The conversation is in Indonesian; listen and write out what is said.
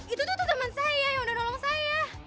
itu tuh teman saya yang udah nolong saya